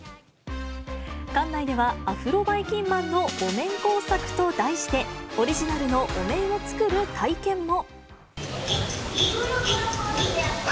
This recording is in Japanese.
館内では、アフロばいきんまんのお面工作と題して、オリジナルのお面を作る体験も。